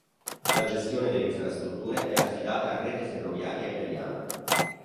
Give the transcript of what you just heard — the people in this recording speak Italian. La gestione delle infrastrutture è affidata a Rete Ferroviaria Italiana.